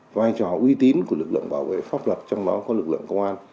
vai trò uy tín của lực lượng bảo vệ pháp luật trong đó có lực lượng công an